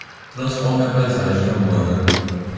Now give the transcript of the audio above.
Transforme a paisagem urbana.